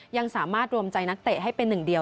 ยังสามารถรวมใจนักเตะให้เป็นหนึ่งเดียว